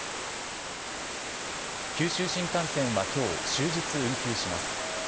九州新幹線はきょう、終日運休します。